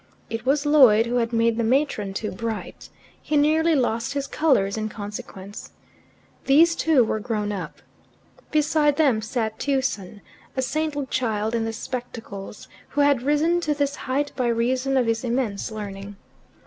It was Lloyd who had made the matron too bright: he nearly lost his colours in consequence. These two were grown up. Beside them sat Tewson, a saintly child in the spectacles, who had risen to this height by reason of his immense learning.